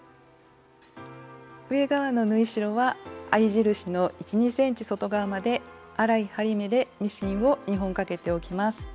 上側の縫い代は合い印の１２ｃｍ外側まで粗い針目でミシンを２本かけておきます。